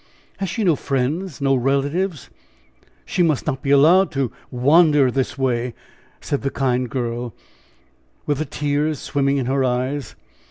"Has she no friends, no relatives? She must not be allowed to wander in this way," said the kind girl, with the tears swimming in her eyes.